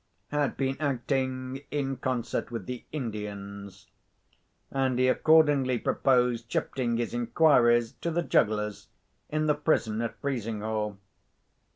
had been acting in concert with the Indians; and he accordingly proposed shifting his inquiries to the jugglers in the prison at Frizinghall.